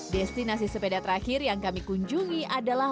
destinasi sepeda terakhir yang kami kunjungi adalah